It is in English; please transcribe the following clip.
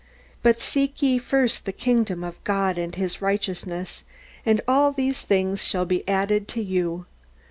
But seek ye first the kingdom of God and His righteousness, and all these things shall be added to you."